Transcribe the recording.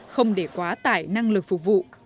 không để quá tải năng lực phục vụ